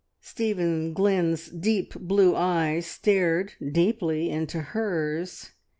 Stephen Glynn's deep blue eyes stared deeply into hers.